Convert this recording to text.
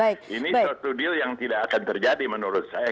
ini art of the deal yang tidak akan terjadi menurut saya